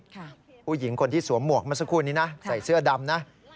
ผู้หญิงคนที่สวมหมวกมาสักครู่นี้นะใส่เสื้อดำนะ